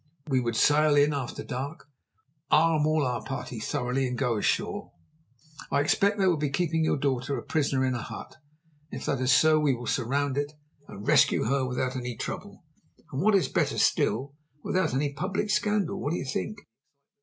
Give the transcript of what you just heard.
We would sail in after dark, arm all our party thoroughly, and go ashore. I expect they will be keeping your daughter a prisoner in a hut. If that is so, we will surround it and rescue her without any trouble, and, what is better still, without any public scandal. What do you think?"